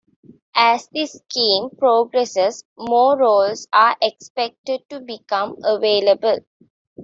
As the scheme progresses more roles are expected to become available.